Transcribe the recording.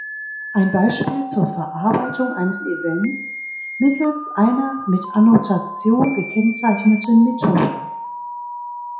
Ein Beispiel zur Verarbeitung eines Events mittels einer mit Annotation gekennzeichneten Methode.